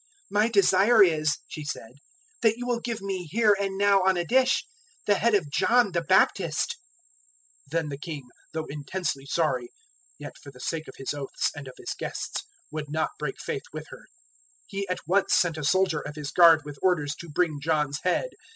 "My desire is," she said, "that you will give me, here and now, on a dish, the head of John the Baptist." 006:026 Then the King, though intensely sorry, yet for the sake of his oaths, and of his guests, would not break faith with her. 006:027 He at once sent a soldier of his guard with orders to bring John's head.